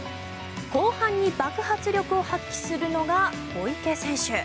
後半に爆発力を発揮するのが小池選手。